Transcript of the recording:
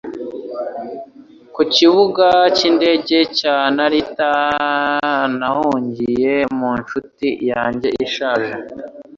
Ku Kibuga cy’indege cya Narita nahungiye mu nshuti yanjye ishaje